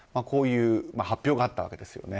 こういう発表があったわけです。